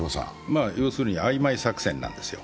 要するにあいまい作戦なんですよ。